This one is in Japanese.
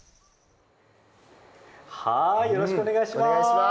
よろしくお願いします。